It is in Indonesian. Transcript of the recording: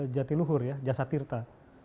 jatiluhur ya jasa tirta